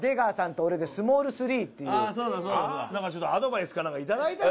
なんかちょっとアドバイスかなんかいただいたら？